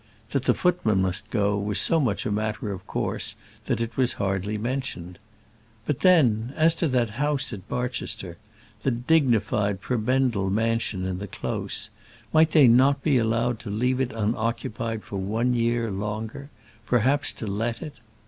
That the footman must go was so much a matter of course, that it was hardly mentioned. But then, as to that house at Barchester, the dignified prebendal mansion in the close might they not be allowed to leave it unoccupied for one year longer, perhaps to let it?